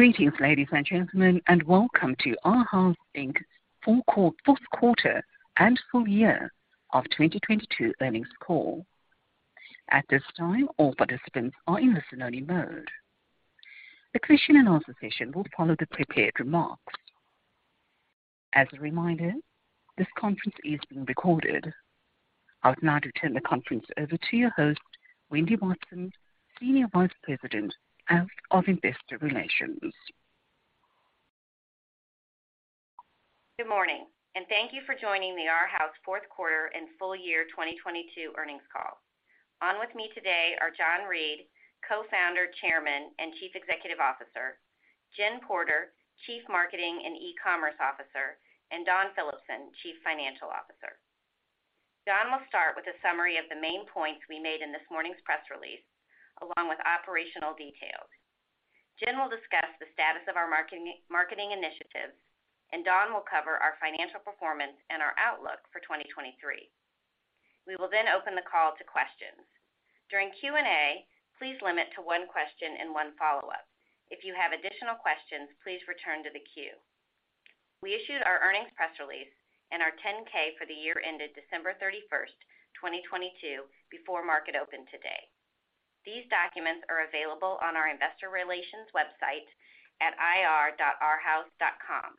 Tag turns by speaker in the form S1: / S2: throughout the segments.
S1: Greetings, ladies and gentlemen, welcome to Arhaus, Inc. Q4 and Full Year of 2022 Earnings Call. At this time, all participants are in listen only mode. The question and answer session will follow the prepared remarks. As a reminder, this conference is being recorded. I would now to turn the conference over to your host, Wendy Watson, Senior Vice President of Investor Relations.
S2: Good morning. Thank you for joining the Arhaus Q4 and Full Year 2022 Earnings Call. On with me today are John Reed, Co-founder, Chairman, and Chief Executive Officer. Jennifer Porter, Chief Marketing and eCommerce Officer, and Dawn Phillipson, Chief Financial Officer. Dawn will start with a summary of the main points we made in this morning's press release, along with operational details. Jen will discuss the status of our marketing initiatives, and Dawn will cover our financial performance and our outlook for 2023. We will open the call to questions. During Q&A, please limit to one question and one follow-up. If you have additional questions, please return to the queue. We issued our earnings press release and our Form 10-K for the year ended December 31st, 2022 before market open today. These documents are available on our investor relations website at ir.arhaus.com.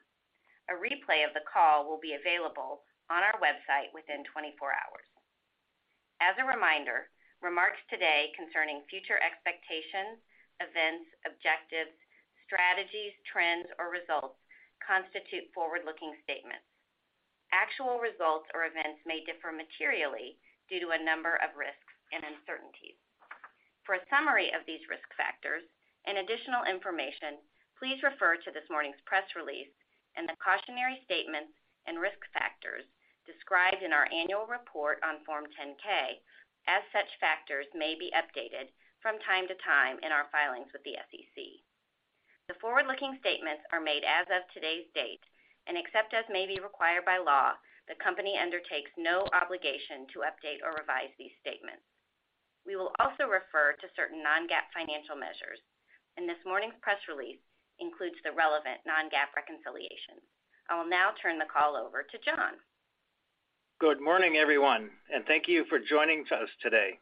S2: A replay of the call will be available on our website within 24 hours. As a reminder, remarks today concerning future expectations, events, objectives, strategies, trends, or results constitute forward-looking statements. Actual results or events may differ materially due to a number of risks and uncertainties. For a summary of these risk factors and additional information, please refer to this morning's press release and the cautionary statements and risk factors described in our annual report on Form 10-K as such factors may be updated from time to time in our filings with the SEC. Except as may be required by law, the company undertakes no obligation to update or revise these statements. This morning's press release includes the relevant non-GAAP reconciliations. I will now turn the call over to John.
S3: Good morning, everyone. Thank you for joining us today.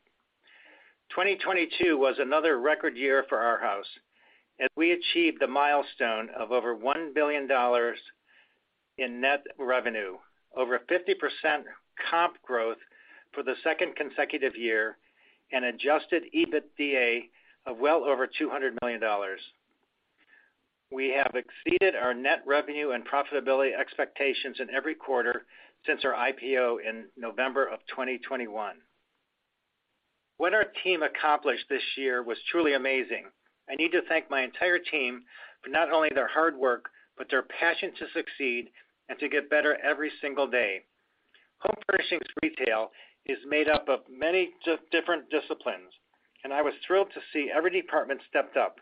S3: 2022 was another record year for Arhaus. We achieved the milestone of over $1 billion in net revenue, over 50% comp growth for the second consecutive year, and adjusted EBITDA of well over $200 million. We have exceeded our net revenue and profitability expectations in every quarter since our IPO in November of 2021. What our team accomplished this year was truly amazing. I need to thank my entire team for not only their hard work, but their passion to succeed and to get better every single day. Home furnishings retail is made up of many different disciplines. I was thrilled to see every department stepped up,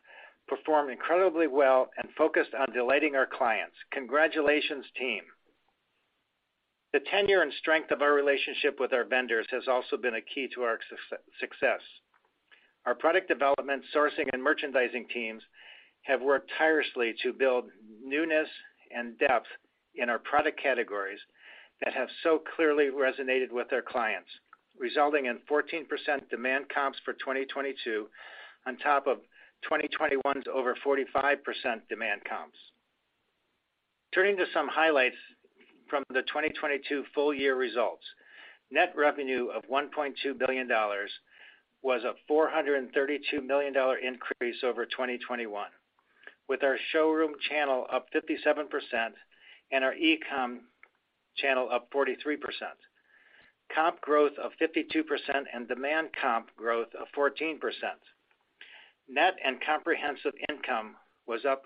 S3: performed incredibly well, and focused on delighting our clients. Congratulations, team. The tenure and strength of our relationship with our vendors has also been a key to our success. Our product development, sourcing and merchandising teams have worked tirelessly to build newness and depth in our product categories that have so clearly resonated with their clients, resulting in 14% demand comps for 2022 on top of 2021's over 45% demand comps. Turning to some highlights from the 2022 full year results. Net revenue of $1.2 billion was a $432 million increase over 2021, with our showroom channel up 57% and our e-com channel up 43%, comp growth of 52% and demand comp growth of 14%. Net and comprehensive income was up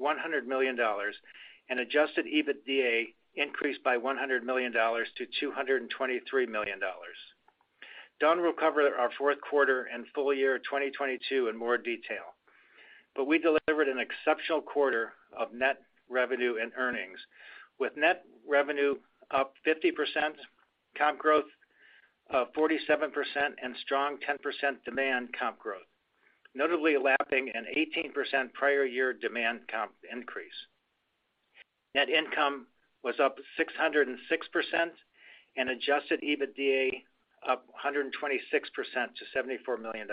S3: $100 million and adjusted EBITDA increased by $100 million to $223 million. Dawn will cover our Q4 and full year 2022 in more detail, but we delivered an exceptional quarter of net revenue and earnings, with net revenue up 50%, comp growth of 47% and strong 10% demand comp growth, notably lapping an 18% prior year demand comp increase. Net income was up 606% and adjusted EBITDA up 126% to $74 million.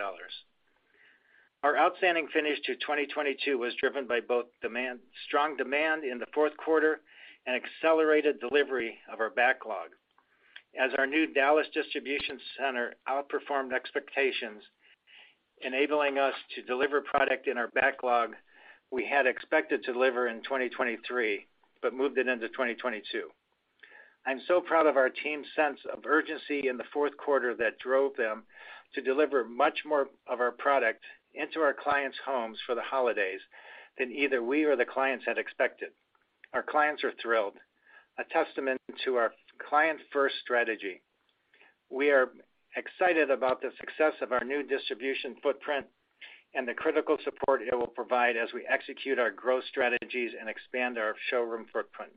S3: Our outstanding finish to 2022 was driven by both strong demand in the Q4 and accelerated delivery of our backlog. Our new Dallas distribution center outperformed expectations, enabling us to deliver product in our backlog we had expected to deliver in 2023, but moved it into 2022. I'm so proud of our team's sense of urgency in the Q4 that drove them to deliver much more of our product into our clients' homes for the holidays than either we or the clients had expected. Our clients are thrilled, a testament to our client-first strategy. We are excited about the success of our new distribution footprint and the critical support it will provide as we execute our growth strategies and expand our showroom footprint.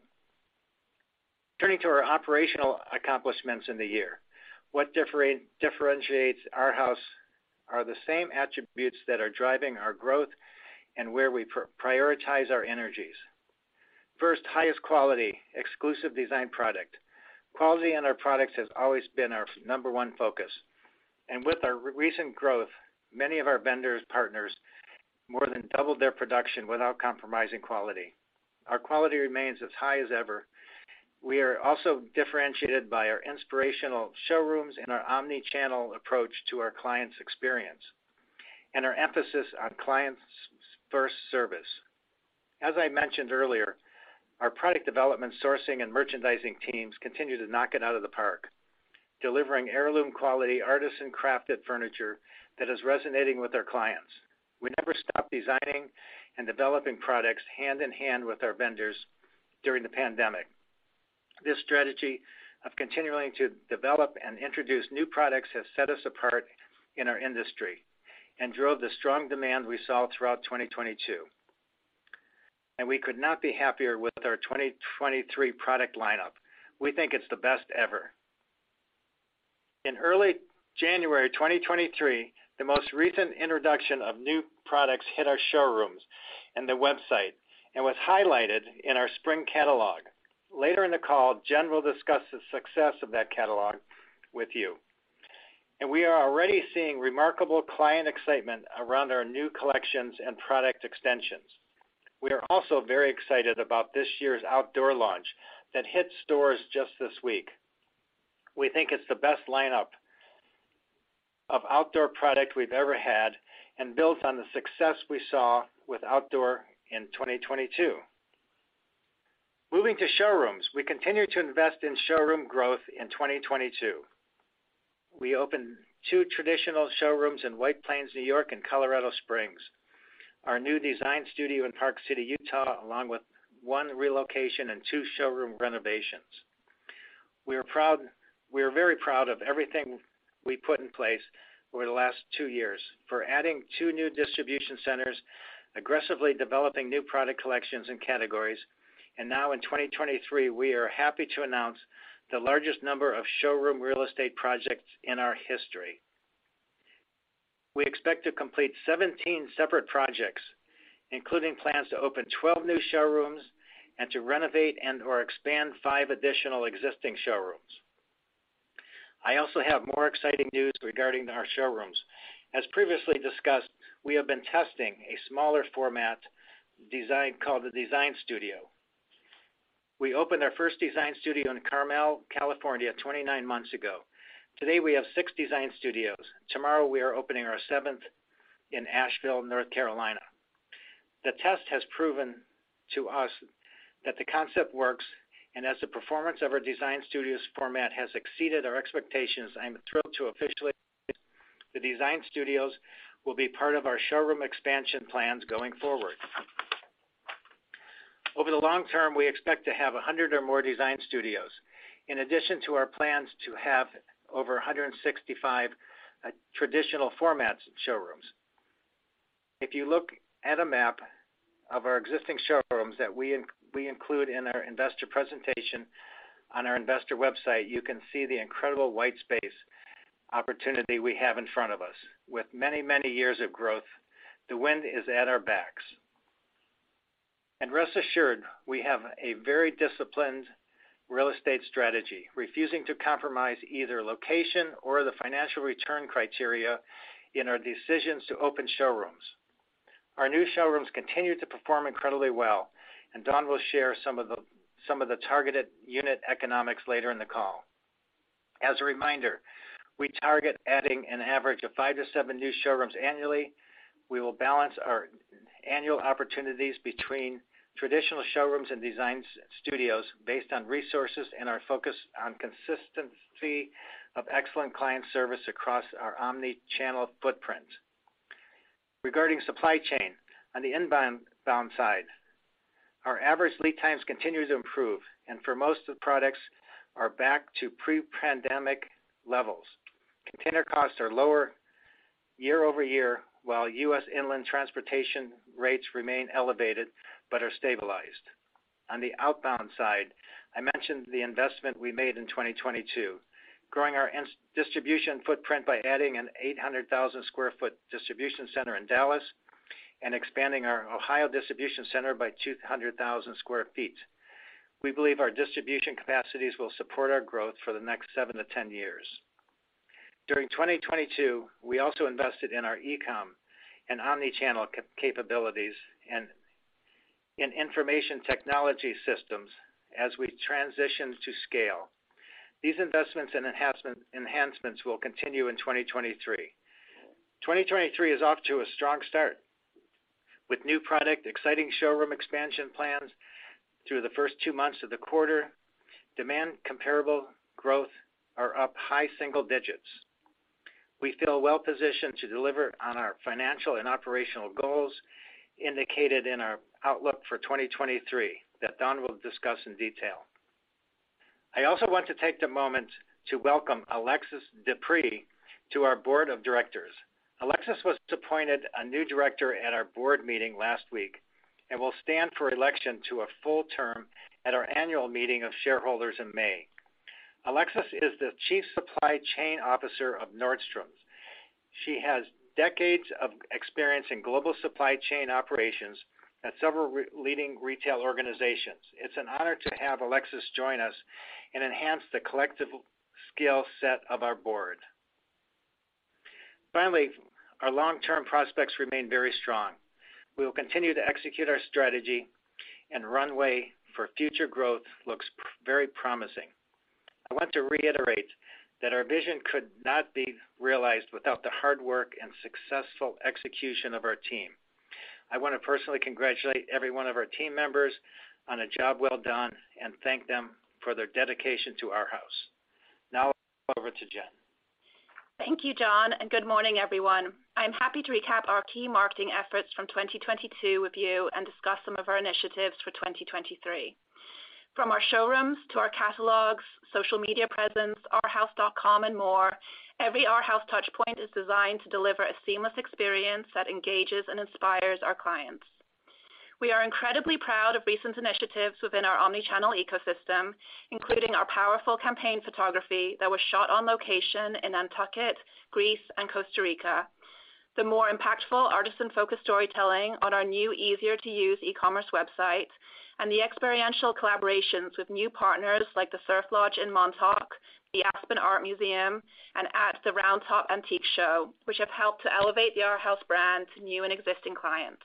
S3: Turning to our operational accomplishments in the year. What differentiates Arhaus are the same attributes that are driving our growth and where we prioritize our energies. First, highest quality, exclusive design product. Quality in our products has always been our number one focus. With our recent growth, many of our vendors, partners more than doubled their production without compromising quality. Our quality remains as high as ever. We are also differentiated by our inspirational showrooms and our omni-channel approach to our clients' experience and our emphasis on clients first service. As I mentioned earlier, our product development, sourcing, and merchandising teams continue to knock it out of the park, delivering heirloom quality, artisan-crafted furniture that is resonating with our clients. We never stopped designing and developing products hand-in-hand with our vendors during the pandemic. This strategy of continuing to develop and introduce new products has set us apart in our industry and drove the strong demand we saw throughout 2022. We could not be happier with our 2023 product lineup. We think it's the best ever. In early January 2023, the most recent introduction of new products hit our showrooms and the website and was highlighted in our spring catalog. Later in the call, Jen will discuss the success of that catalog with you. We are already seeing remarkable client excitement around our new collections and product extensions. We are also very excited about this year's outdoor launch that hit stores just this week. We think it's the best lineup of outdoor product we've ever had and builds on the success we saw with outdoor in 2022. Moving to showrooms. We continued to invest in showroom growth in 2022. We opened two traditional showrooms in White Plains, New York, and Colorado Springs, our new design studio in Park City, Utah, along with one relocation and two showroom renovations. We are very proud of everything we put in place over the last two years for adding two new distribution centers, aggressively developing new product collections and categories, and now in 2023, we are happy to announce the largest number of showroom real estate projects in our history. We expect to complete 17 separate projects, including plans to open 12 new showrooms and to renovate and/or expand five additional existing showrooms. I also have more exciting news regarding our showrooms. As previously discussed, we have been testing a smaller format design called the Design Studio. We opened our first Design Studio in Carmel, California, 29 months ago. Today, we have six Design Studios. Tomorrow, we are opening our seventh in Asheville, North Carolina. The test has proven to us that the concept works, and as the performance of our Design Studios format has exceeded our expectations, I am thrilled to officially the Design Studios will be part of our showroom expansion plans going forward. Over the long term, we expect to have 100 or more Design Studios in addition to our plans to have over 165 traditional formats showrooms. If you look at a map of our existing showrooms that we include in our investor presentation on our investor website, you can see the incredible white space opportunity we have in front of us. With many, many years of growth, the wind is at our backs. Rest assured, we have a very disciplined real estate strategy, refusing to compromise either location or the financial return criteria in our decisions to open showrooms. Our new showrooms continue to perform incredibly well. Dawn will share some of the targeted unit economics later in the call. As a reminder, we target adding an average of five to seven new showrooms annually. We will balance our annual opportunities between traditional showrooms and design studios based on resources and our focus on consistency of excellent client service across our omni-channel footprint. Regarding supply chain, on the inbound bound side, our average lead times continue to improve, and for most of the products are back to pre-pandemic levels. Container costs are lower year-over-year, while U.S. inland transportation rates remain elevated but are stabilized. On the outbound side, I mentioned the investment we made in 2022, growing our distribution footprint by adding an 800,000 square foot distribution center in Dallas and expanding our Ohio distribution center by 200,000 square feet. We believe our distribution capacities will support our growth for the next seven to 10 years. During 2022, we also invested in our e-com and omni-channel capabilities and in information technology systems as we transitioned to scale. These investments and enhancements will continue in 2023. 2023 is off to a strong start with new product, exciting showroom expansion plans through the first two months of the quarter. Demand comparable growth are up high single digits. We feel well positioned to deliver on our financial and operational goals indicated in our outlook for 2023 that Dawn will discuss in detail. I also want to take the moment to welcome Alexis DePree to our board of directors. Alexis was appointed a new director at our board meeting last week and will stand for election to a full term at our annual meeting of shareholders in May. Alexis is the Chief Supply Chain Officer of Nordstrom. She has decades of experience in global supply chain operations at several leading retail organizations. It's an honor to have Alexis join us and enhance the collective skill set of our board. Finally, our long-term prospects remain very strong. We will continue to execute our strategy and runway for future growth looks very promising. I want to reiterate that our vision could not be realized without the hard work and successful execution of our team. I wanna personally congratulate every one of our team members on a job well done, and thank them for their dedication to Arhaus. Over to Jen.
S4: Thank you, John, and good morning, everyone. I'm happy to recap our key marketing efforts from 2022 with you and discuss some of our initiatives for 2023. From our showrooms to our catalogs, social media presence, arhaus.com and more, every Arhaus touch point is designed to deliver a seamless experience that engages and inspires our clients. We are incredibly proud of recent initiatives within our omni-channel ecosystem, including our powerful campaign photography that was shot on location in Nantucket, Greece and Costa Rica. The more impactful artisan-focused storytelling on our new, easier-to-use e-commerce website, and the experiential collaborations with new partners like The Surf Lodge in Montauk, the Aspen Art Museum, and at the Round Top Antique Show, which have helped to elevate the Arhaus brand to new and existing clients.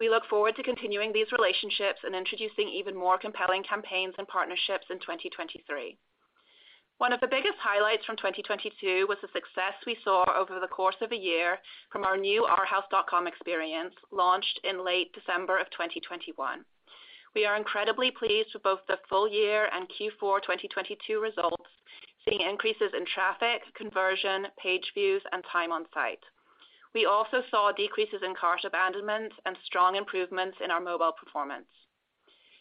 S4: We look forward to continuing these relationships and introducing even more compelling campaigns and partnerships in 2023. One of the biggest highlights from 2022 was the success we saw over the course of a year from our new arhaus.com experience, launched in late December of 2021. We are incredibly pleased with both the full year and Q4 2022 results, seeing increases in traffic, conversion, page views, and time on site. We also saw decreases in cart abandonments and strong improvements in our mobile performance.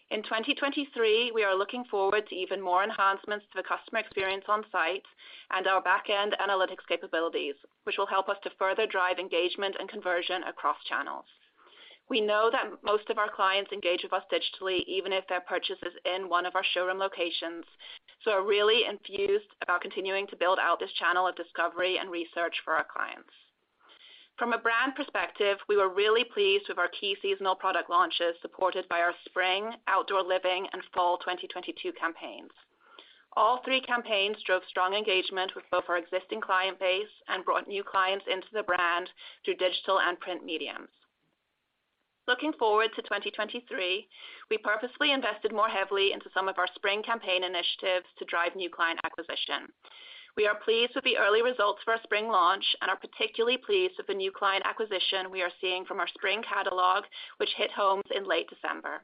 S4: In 2023, we are looking forward to even more enhancements to the customer experience on site and our back-end analytics capabilities, which will help us to further drive engagement and conversion across channels. We know that most of our clients engage with us digitally, even if their purchase is in one of our showroom locations, we're really enthused about continuing to build out this channel of discovery and research for our clients. From a brand perspective, we were really pleased with our key seasonal product launches supported by our spring, Outdoor Living and fall 2022 campaigns. All three campaigns drove strong engagement with both our existing client base and brought new clients into the brand through digital and print mediums. Looking forward to 2023, we purposefully invested more heavily into some of our spring campaign initiatives to drive new client acquisition. We are pleased with the early results for our spring launch and are particularly pleased with the new client acquisition we are seeing from our spring catalog, which hit homes in late December.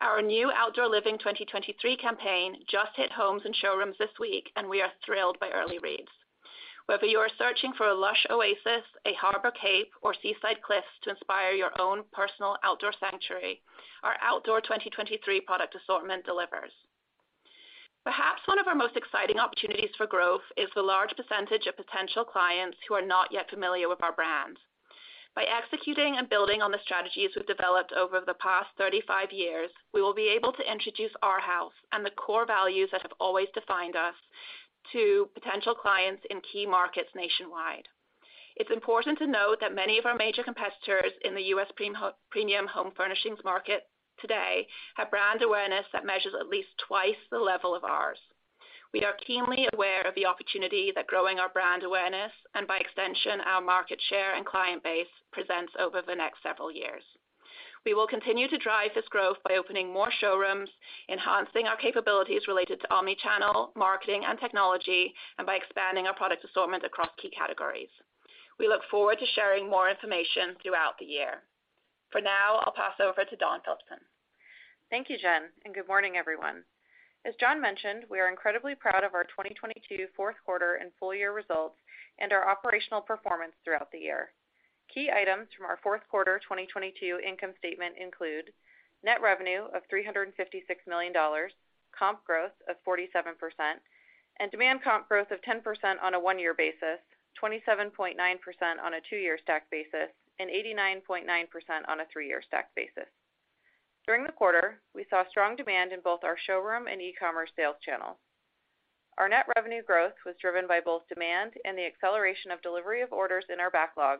S4: Our new Outdoor Living 2023 campaign just hit homes and showrooms this week. We are thrilled by early reads. Whether you are searching for a lush oasis, a harbor cape, or seaside cliffs to inspire your own personal outdoor sanctuary, our Outdoor 2023 product assortment delivers. Perhaps one of our most exciting opportunities for growth is the large percentage of potential clients who are not yet familiar with our brand. By executing and building on the strategies we've developed over the past 35 years, we will be able to introduce Arhaus and the core values that have always defined us to potential clients in key markets nationwide. It's important to note that many of our major competitors in the U.S. premium home furnishings market today have brand awareness that measures at least twice the level of ours. We are keenly aware of the opportunity that growing our brand awareness, and by extension, our market share and client base presents over the next several years. We will continue to drive this growth by opening more showrooms, enhancing our capabilities related to omni-channel marketing and technology, and by expanding our product assortment across key categories. We look forward to sharing more information throughout the year. For now, I'll pass over to Dawn Phillipson.
S5: Thank you, Jen. Good morning, everyone. As John mentioned, we are incredibly proud of our 2022 Q4 and full year results and our operational performance throughout the year. Key items from our Q4 2022 income statement include net revenue of $356 million, comp growth of 47%, and demand comp growth of 10% on a one-year basis, 27.9% on a two-year stack basis, and 89.9% on a three-year stack basis. During the quarter, we saw strong demand in both our showroom and e-commerce sales channels. Our net revenue growth was driven by both demand and the acceleration of delivery of orders in our backlog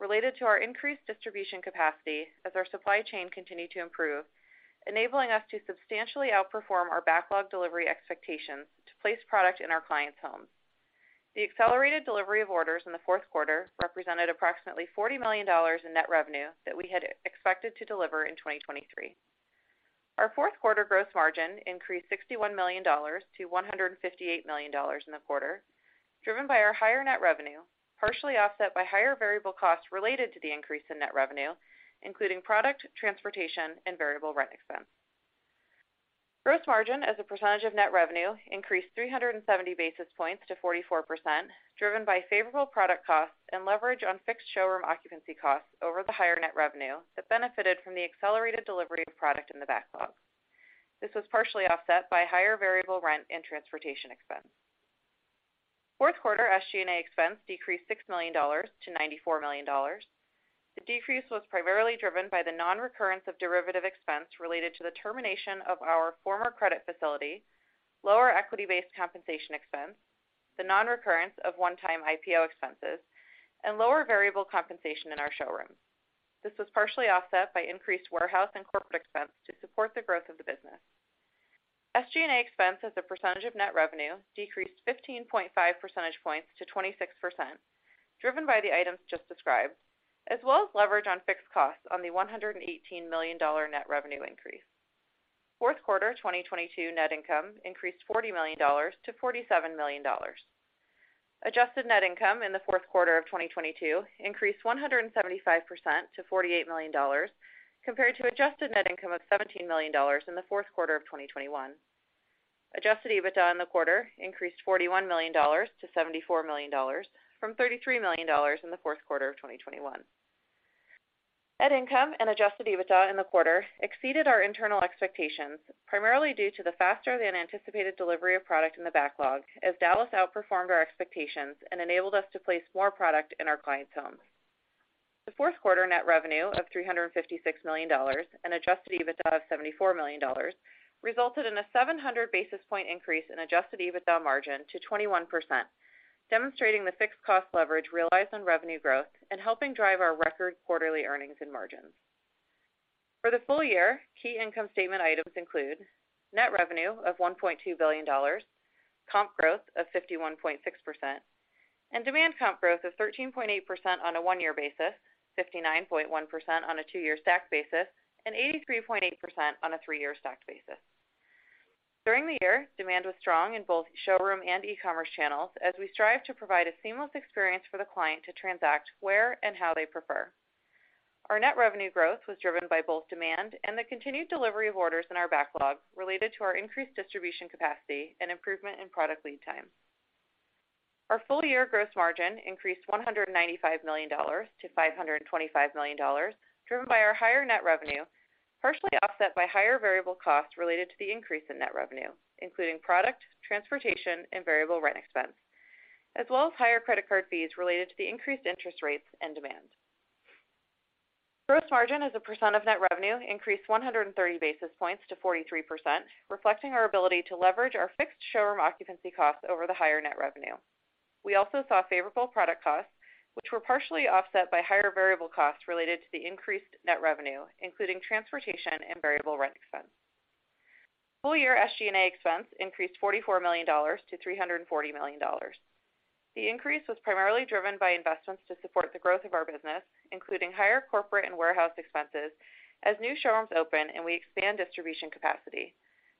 S5: related to our increased distribution capacity as our supply chain continued to improve, enabling us to substantially outperform our backlog delivery expectations to place product in our clients' homes. The accelerated delivery of orders in the Q4 represented approximately $40 million in net revenue that we had expected to deliver in 2023. Our Q4 gross margin increased $61 million to $158 million in the quarter, driven by our higher net revenue, partially offset by higher variable costs related to the increase in net revenue, including product, transportation, and variable rent expense. Gross margin as a percentage of net revenue increased 370 basis points to 44%, driven by favorable product costs and leverage on fixed showroom occupancy costs over the higher net revenue that benefited from the accelerated delivery of product in the backlog. This was partially offset by higher variable rent and transportation expense. Q4 SG&A expense decreased $6 million to $94 million. The decrease was primarily driven by the non-recurrence of derivative expense related to the termination of our former credit facility, lower equity-based compensation expense, the non-recurrence of one-time IPO expenses, and lower variable compensation in our showrooms. This was partially offset by increased warehouse and corporate expense to support the growth of the business. SG&A expense as a percentage of net revenue decreased 15.5 percentage points to 26%, driven by the items just described, as well as leverage on fixed costs on the $118 million net revenue increase. Q4 2022 net income increased $40 million to $47 million. Adjusted net income in the Q4 of 2022 increased 175% to $48 million compared to adjusted net income of $17 million in the Q4 of 2021. Adjusted EBITDA in the quarter increased $41 million to $74 million, from $33 million in the Q4 of 2021. Net income and adjusted EBITDA in the quarter exceeded our internal expectations, primarily due to the faster than anticipated delivery of product in the backlog as Dallas outperformed our expectations and enabled us to place more product in our clients' homes. The Q4 net revenue of $356 million and adjusted EBITDA of $74 million resulted in a 700 basis point increase in adjusted EBITDA margin to 21%, demonstrating the fixed cost leverage realized on revenue growth and helping drive our record quarterly earnings and margins. For the full year, key income statement items include net revenue of $1.2 billion, comp growth of 51.6%, and demand comp growth of 13.8% on a one-year basis, 59.1% on a two-year stacked basis, and 83.8% on a three-year stacked basis. During the year, demand was strong in both showroom and e-commerce channels as we strive to provide a seamless experience for the client to transact where and how they prefer. Our net revenue growth was driven by both demand and the continued delivery of orders in our backlog related to our increased distribution capacity and improvement in product lead times. Our full year gross margin increased $195 million to $525 million, driven by our higher net revenue, partially offset by higher variable costs related to the increase in net revenue, including product, transportation, and variable rent expense, as well as higher credit card fees related to the increased interest rates and demand. Gross margin as a % of net revenue increased 130 basis points to 43%, reflecting our ability to leverage our fixed showroom occupancy costs over the higher net revenue. We also saw favorable product costs, which were partially offset by higher variable costs related to the increased net revenue, including transportation and variable rent expense. Full year SG&A expense increased $44 million to $340 million. The increase was primarily driven by investments to support the growth of our business, including higher corporate and warehouse expenses as new showrooms open and we expand distribution capacity,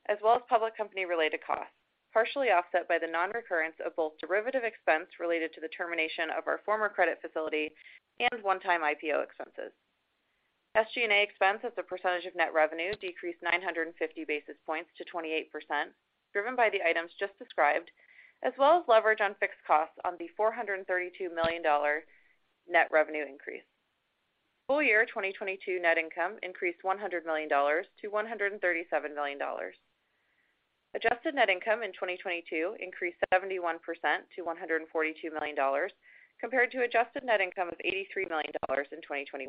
S5: as well as public company related costs, partially offset by the non-recurrence of both derivative expense related to the termination of our former credit facility and one-time IPO expenses. SG&A expense as a percentage of net revenue decreased 950 basis points to 28%, driven by the items just described, as well as leverage on fixed costs on the $432 million net revenue increase. Full year 2022 net income increased $100 million to $137 million. Adjusted net income in 2022 increased 71% to $142 million compared to adjusted net income of $83 million in 2021.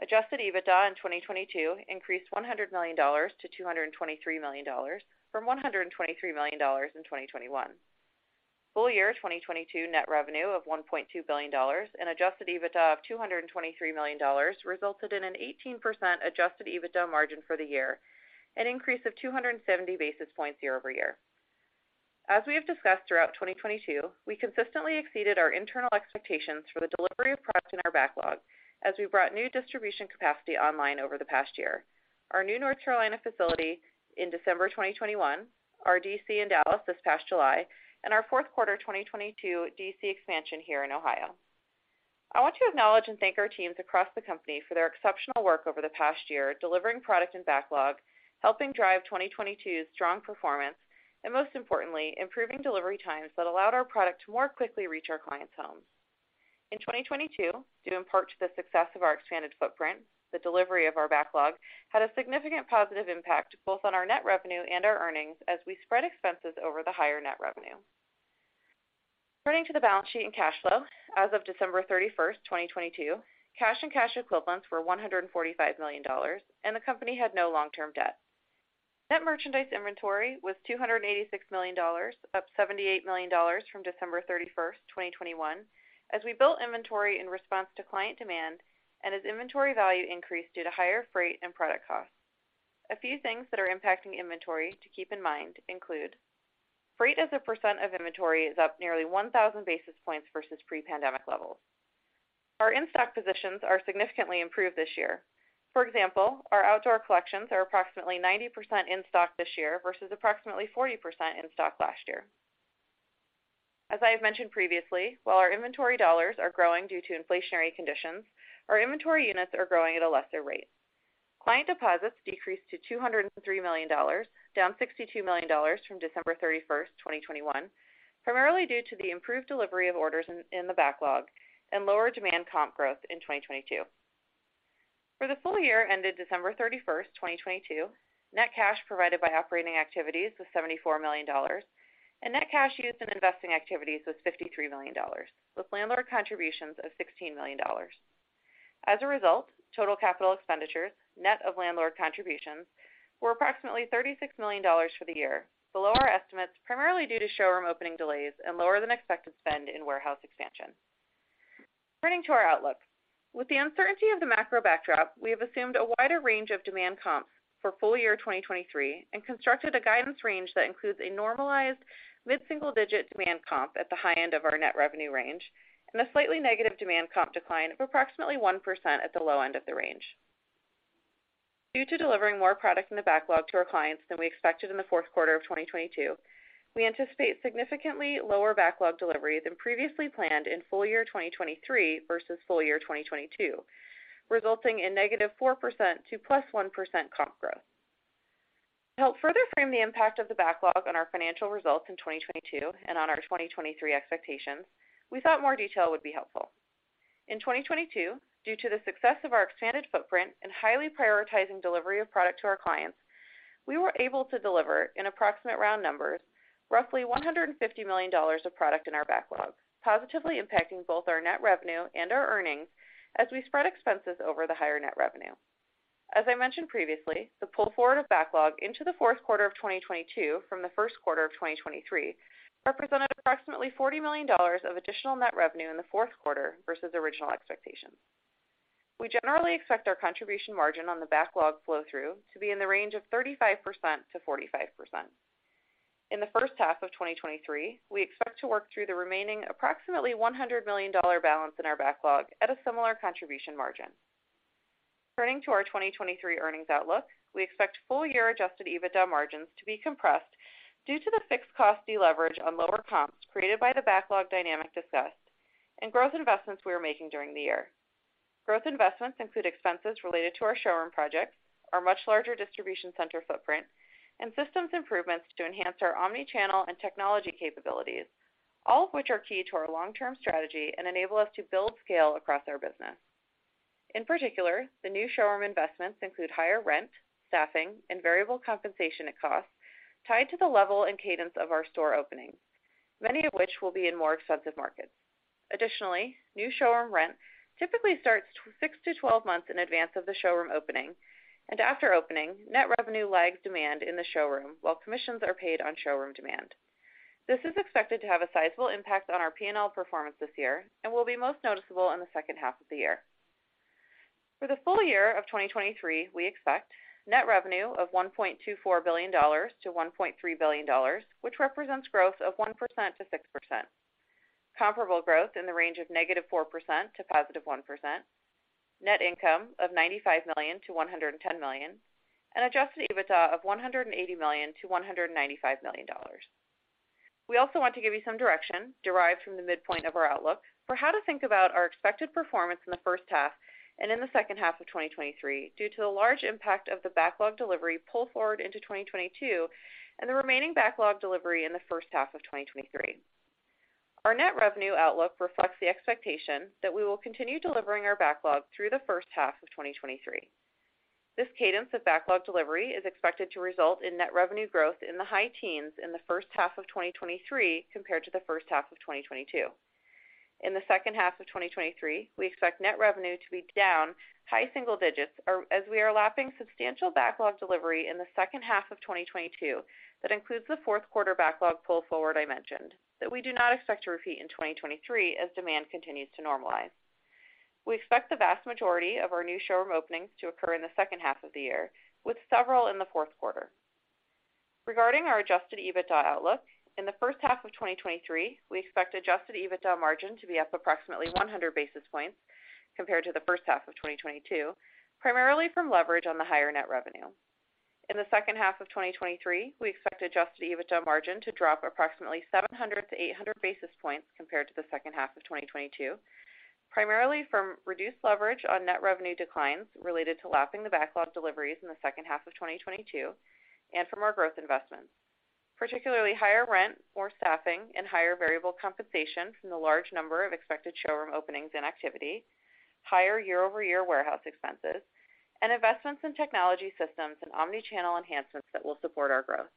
S5: adjusted EBITDA in 2022 increased $100 million to $223 million from $123 million in 2021. Full year 2022 net revenue of $1.2 billion and adjusted EBITDA of $223 million resulted in an 18% adjusted EBITDA margin for the year, an increase of 270 basis points year-over-year. As we have discussed throughout 2022, we consistently exceeded our internal expectations for the delivery of product in our backlog as we brought new distribution capacity online over the past year. Our new North Carolina facility in December 2021, our DC in Dallas this past July, and our Q4 2022 DC expansion here in Ohio. I want to acknowledge and thank our teams across the company for their exceptional work over the past year, delivering product and backlog, helping drive 2022's strong performance. Most importantly, improving delivery times that allowed our product to more quickly reach our clients' homes. In 2022, due in part to the success of our expanded footprint, the delivery of our backlog had a significant positive impact both on our net revenue and our earnings as we spread expenses over the higher net revenue. Turning to the balance sheet and cash flow, as of December 31st, 2022, cash and cash equivalents were $145 million and the company had no long-term debt. Net merchandise inventory was $286 million, up $78 million from December 31, 2021, as we built inventory in response to client demand and as inventory value increased due to higher freight and product costs. A few things that are impacting inventory to keep in mind include freight as a % of inventory is up nearly 1,000 basis points versus pre-pandemic levels. Our in-stock positions are significantly improved this year. For example, our outdoor collections are approximately 90% in stock this year versus approximately 40% in stock last year. As I have mentioned previously, while our inventory dollars are growing due to inflationary conditions, our inventory units are growing at a lesser rate. Client deposits decreased to $203 million, down $62 million from December 31, 2021, primarily due to the improved delivery of orders in the backlog and lower demand comp growth in 2022. For the full year ended December 31, 2022, net cash provided by operating activities was $74 million and net cash used in investing activities was $53 million, with landlord contributions of $16 million. As a result, total capital expenditures, net of landlord contributions, were approximately $36 million for the year, below our estimates, primarily due to showroom opening delays and lower than expected spend in warehouse expansion. Turning to our outlook. With the uncertainty of the macro backdrop, we have assumed a wider range of demand comps for full year 2023 and constructed a guidance range that includes a normalized mid-single-digit demand comp at the high end of our net revenue range and a slightly negative demand comp decline of approximately 1% at the low end of the range. Due to delivering more product in the backlog to our clients than we expected in the Q4 of 2022, we anticipate significantly lower backlog delivery than previously planned in full year 2023 versus full year 2022, resulting in -4% to +1% comp growth. To help further frame the impact of the backlog on our financial results in 2022 and on our 2023 expectations, we thought more detail would be helpful. In 2022, due to the success of our expanded footprint and highly prioritizing delivery of product to our clients, we were able to deliver in approximate round numbers, roughly $150 million of product in our backlog, positively impacting both our net revenue and our earnings as we spread expenses over the higher net revenue. As I mentioned previously, the pull forward of backlog into the Q4 of 2022 from the Q1 of 2023 represented approximately $40 million of additional net revenue in the Q4 versus original expectations. We generally expect our contribution margin on the backlog flow through to be in the range of 35%-45%. In the H1 of 2023, we expect to work through the remaining approximately $100 million balance in our backlog at a similar contribution margin. Turning to our 2023 earnings outlook, we expect full year adjusted EBITDA margins to be compressed due to the fixed cost deleverage on lower comps created by the backlog dynamic discussed and growth investments we are making during the year. Growth investments include expenses related to our showroom projects, our much larger distribution center footprint, and systems improvements to enhance our omni-channel and technology capabilities, all of which are key to our long-term strategy and enable us to build scale across our business. In particular, the new showroom investments include higher rent, staffing, and variable compensation and costs tied to the level and cadence of our store openings, many of which will be in more expensive markets. Additionally, new showroom rent typically starts 6-12 months in advance of the showroom opening, and after opening, net revenue lags demand in the showroom while commissions are paid on showroom demand. This is expected to have a sizable impact on our P&L performance this year and will be most noticeable in the H2 of the year. For the full year of 2023, we expect net revenue of $1.24 billion-$1.3 billion, which represents growth of 1%-6%, comparable growth in the range of -4% to +1%, net income of $95 million-$110 million, and adjusted EBITDA of $180 million-$195 million. We also want to give you some direction derived from the midpoint of our outlook for how to think about our expected performance in the H1 and in the H2 of 2023 due to the large impact of the backlog delivery pull forward into 2022 and the remaining backlog delivery in the H1 of 2023. Our net revenue outlook reflects the expectation that we will continue delivering our backlog through the H1 of 2023. This cadence of backlog delivery is expected to result in net revenue growth in the high teens in the H1 of 2023 compared to the H1 of 2022. In the H2 of 2023, we expect net revenue to be down high single digits, as we are lapping substantial backlog delivery in the H2 of 2022. That includes the Q4 backlog pull forward I mentioned that we do not expect to repeat in 2023 as demand continues to normalize. We expect the vast majority of our new showroom openings to occur in the H2 of the year, with several in the Q4. Regarding our adjusted EBITDA outlook, in the H1 of 2023, we expect adjusted EBITDA margin to be up approximately 100 basis points compared to the H1 of 2022, primarily from leverage on the higher net revenue. In the H2 of 2023, we expect adjusted EBITDA margin to drop approximately 700-800 basis points compared to the H2 of 2022, primarily from reduced leverage on net revenue declines related to lapping the backlog deliveries in the H2 of 2022 and from our growth investments, particularly higher rent or staffing and higher variable compensation from the large number of expected showroom openings and activity, higher year-over-year warehouse expenses, and investments in technology systems and omni-channel enhancements that will support our growth.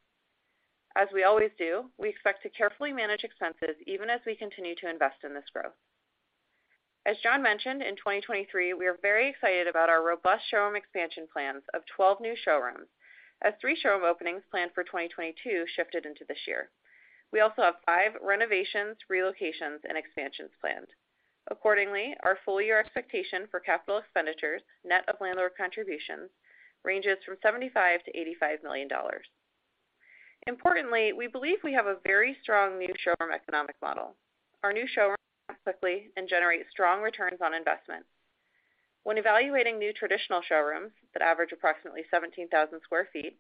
S5: As we always do, we expect to carefully manage expenses even as we continue to invest in this growth. As John mentioned, in 2023, we are very excited about our robust showroom expansion plans of 12 new showrooms, as three showroom openings planned for 2022 shifted into this year. We also have five renovations, relocations, and expansions planned. Accordingly, our full-year expectation for capital expenditures, net of landlord contributions, ranges from $75 million-$85 million. Importantly, we believe we have a very strong new showroom economic model. Our new showrooms quickly and generate strong returns on investment. When evaluating new traditional showrooms that average approximately 17,000 sq ft,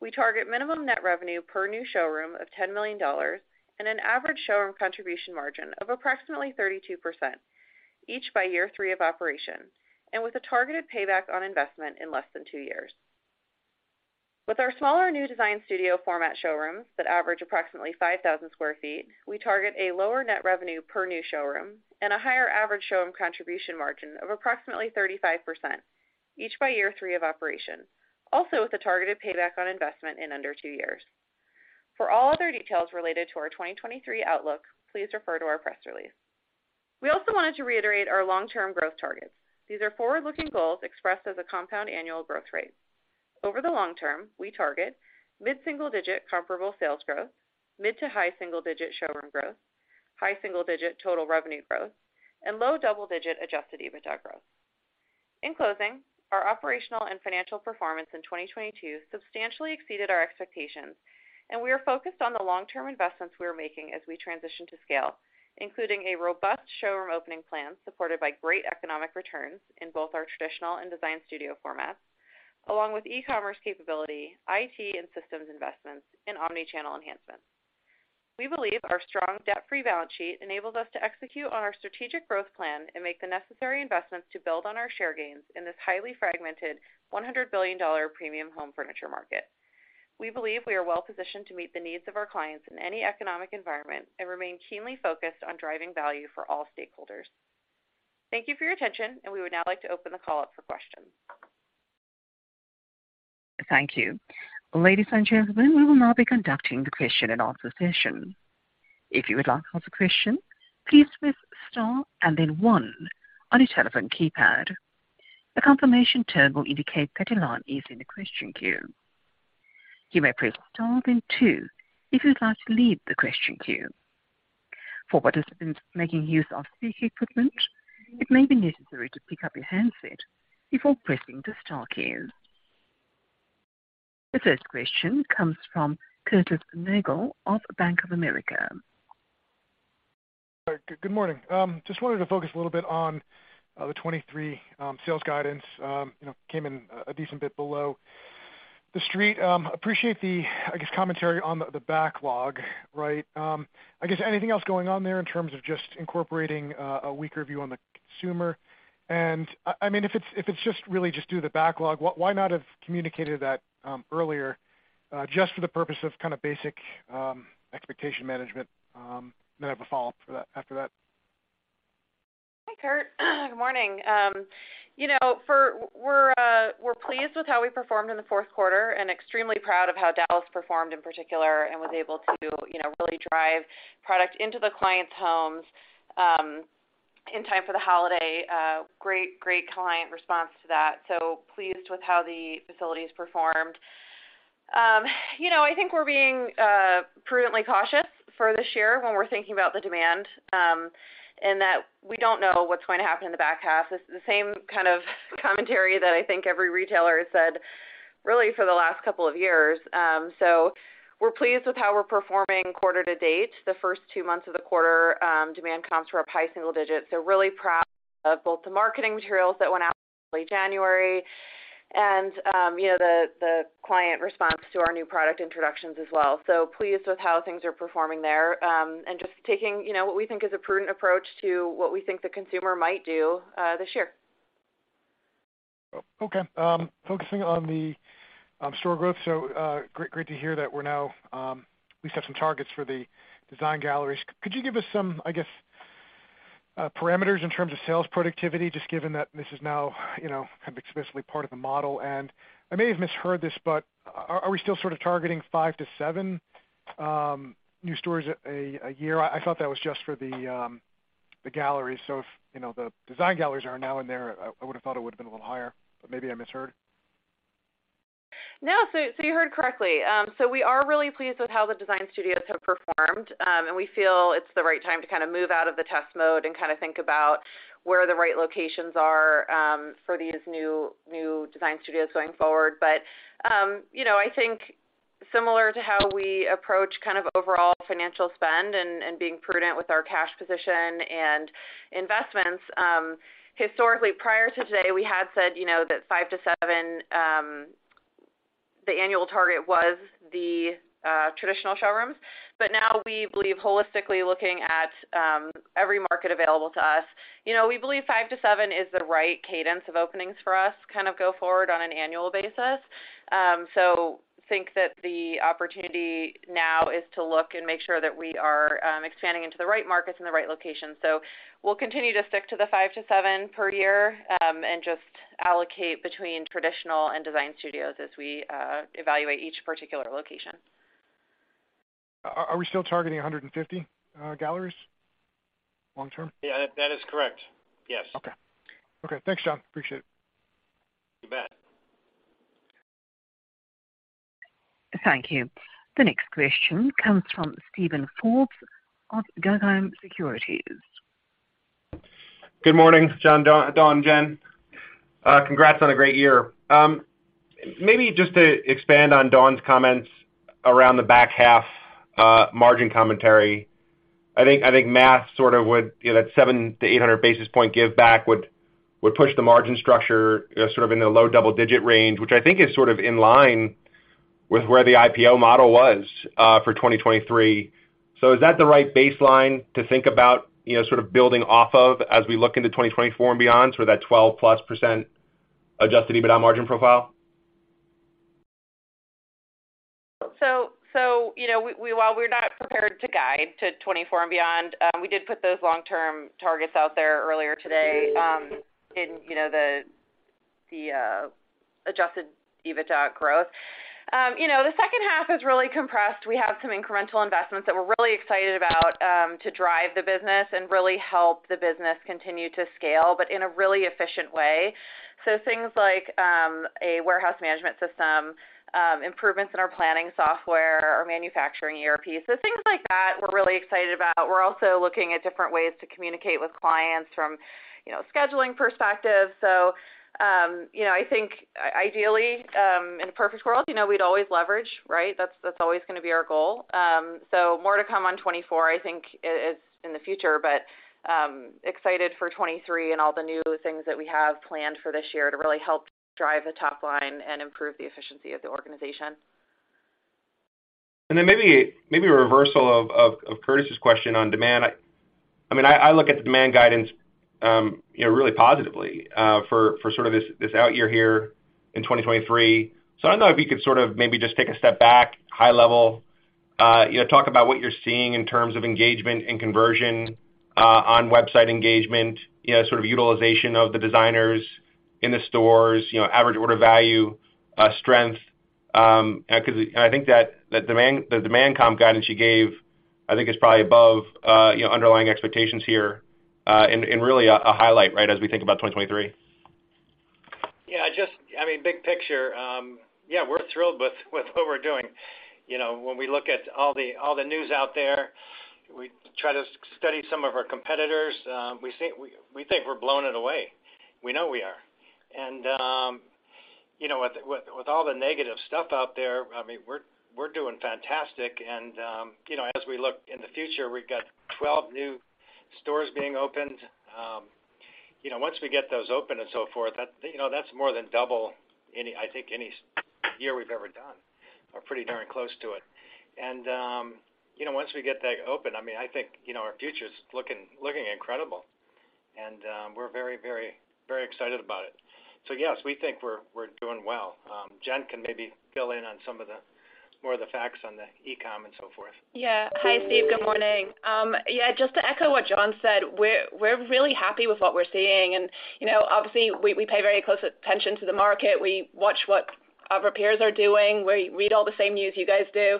S5: we target minimum net revenue per new showroom of $10 million and an average showroom contribution margin of approximately 32% each by year three of operation, and with a targeted payback on investment in less than two years. With our smaller new design studio format showrooms that average approximately 5,000 sq ft, we target a lower net revenue per new showroom and a higher average showroom contribution margin of approximately 35% each by year three of operation. With a targeted payback on investment in under two years. For all other details related to our 2023 outlook, please refer to our press release. We also wanted to reiterate our long-term growth targets. These are forward-looking goals expressed as a compound annual growth rate. Over the long term, we target mid-single-digit comparable sales growth, mid-to-high single-digit showroom growth, high single-digit total revenue growth and low double-digit adjusted EBITDA growth. In closing, our operational and financial performance in 2022 substantially exceeded our expectations, and we are focused on the long-term investments we are making as we transition to scale, including a robust showroom opening plan supported by great economic returns in both our traditional and design studio formats, along with e-commerce capability, IT and systems investments and omni-channel enhancements. We believe our strong debt-free balance sheet enables us to execute on our strategic growth plan and make the necessary investments to build on our share gains in this highly fragmented $100 billion premium home furniture market. We believe we are well-positioned to meet the needs of our clients in any economic environment and remain keenly focused on driving value for all stakeholders. Thank you for your attention. We would now like to open the call up for questions.
S1: Thank you. Ladies and gentlemen, we will now be conducting the question and answer session. If you would like to ask a question, please press star and then one on your telephone keypad. A confirmation tone will indicate that your line is in the question queue. You may press star then two if you'd like to leave the question queue. For participants making use of speaker equipment, it may be necessary to pick up your handset before pressing the star key. The first question comes from Curtis Nagle of Bank of America.
S6: Good morning. Just wanted to focus a little bit on the 2023 sales guidance. You know, came in a decent bit below the street. Appreciate the, I guess, commentary on the backlog, right? I guess anything else going on there in terms of just incorporating a weaker view on the consumer? I mean, if it's just really just do the backlog, why not have communicated that earlier, just for the purpose of kind of basic expectation management? I have a follow-up after that.
S5: Hi, Kurt. Good morning. You know, we're pleased with how we performed in the Q4 and extremely proud of how Dallas performed in particular and was able to, you know, really drive product into the client's homes in time for the holiday. Great client response to that. Pleased with how the facilities performed. You know, I think we're being prudently cautious for this year when we're thinking about the demand, and that we don't know what's going to happen in the back half. It's the same kind of commentary that I think every retailer has said really for the last couple of years. We're pleased with how we're performing quarter to date. The first two months of the quarter, demand comps were up high single digits. Really proud of both the marketing materials that went out in early January and, you know, the client response to our new product introductions as well. Pleased with how things are performing there, and just taking, you know, what we think is a prudent approach to what we think the consumer might do this year.
S6: Okay. Focusing on the store growth. Great to hear that we're now, we set some targets for the design galleries. Could you give us some, I guess, parameters in terms of sales productivity, just given that this is now, you know, kind of explicitly part of the model? I may have misheard this, but are we still sort of targeting five to seven new stores a year? I thought that was just for the gallery. If, you know, the design galleries are now in there, I would have thought it would have been a little higher, but maybe I misheard.
S5: No. You heard correctly. We are really pleased with how the design studios have performed. We feel it's the right time to kind of move out of the test mode and kind of think about where the right locations are for these new design studios going forward. You know, I think similar to how we approach kind of overall financial spend and being prudent with our cash position and investments. Historically, prior to today, we had said, you know, that five to seven, the annual target was the traditional showrooms. Now we believe holistically looking at every market available to us. You know, we believe five to seven is the right cadence of openings for us, kind of go forward on an annual basis. Think that the opportunity now is to look and make sure that we are expanding into the right markets and the right locations. We'll continue to stick to the five to seven per year, and just allocate between traditional and design studios as we evaluate each particular location.
S6: Are we still targeting 150 galleries long term?
S3: Yeah, that is correct. Yes.
S6: Okay. Okay. Thanks, John. Appreciate it.
S3: You bet.
S1: Thank you. The next question comes from Steven Forbes of Guggenheim Securities.
S7: Good morning, Dawn, Jen. Congrats on a great year. Maybe just to expand on Dawn's comments around the back half, margin commentary. I think math sort of would, you know, that 700-800 basis point give back would push the margin structure, you know, sort of in the low double-digit range, which I think is sort of in line with where the IPO model was for 2023. Is that the right baseline to think about, you know, sort of building off of as we look into 2024 and beyond for that 12%+ adjusted EBITDA margin profile?
S5: You know, while we're not prepared to guide to 2024 and beyond, we did put those long-term targets out there earlier today, in, you know, the adjusted EBITDA growth. You know, the H2 is really compressed. We have some incremental investments that we're really excited about, to drive the business and really help the business continue to scale, but in a really efficient way. Things like, a warehouse management system, improvements in our planning software, our manufacturing ERP. Things like that we're really excited about. We're also looking at different ways to communicate with clients from, you know, scheduling perspective. You know, I think ideally, in a perfect world, you know, we'd always leverage, right? That's always gonna be our goal. More to come on 24, I think is in the future, but excited for 23 and all the new things that we have planned for this year to really help drive the top line and improve the efficiency of the organization.
S7: Then maybe a reversal of Curtis's question on demand. I mean, I look at the demand guidance, you know, really positively for sort of this out year here in 2023. I don't know if you could sort of maybe just take a step back, high level, you know, talk about what you're seeing in terms of engagement and conversion on website engagement, you know, sort of utilization of the designers in the stores, you know, average order value strength. I think that the demand comp guidance you gave, I think is probably above, you know, underlying expectations here, and really a highlight, right, as we think about 2023.
S3: Just, I mean, big picture, yeah, we're thrilled with what we're doing. You know, when we look at all the news out there, we try to study some of our competitors. We think we're blowing it away. We know we are. You know, with all the negative stuff out there, I mean, we're doing fantastic. You know, as we look in the future, we've got 12 new stores being opened. You know, once we get those open and so forth, that, you know, that's more than double any, I think any year we've ever done or pretty darn close to it. You know, once we get that open, I mean, I think, you know, our future's looking incredible, and we're very excited about it. Yes, we think we're doing well. Jen can maybe fill in on more of the facts on the e-com and so forth.
S4: Yeah. Hi, Steve. Good morning. Yeah, just to echo what John said, we're really happy with what we're seeing. You know, obviously, we pay very close attention to the market. We watch what our peers are doing. We read all the same news you guys do.